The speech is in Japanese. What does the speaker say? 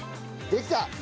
できた。